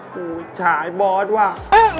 หูยช่ายบอสว่า